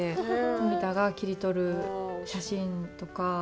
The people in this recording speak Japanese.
富田が切り取る写真とか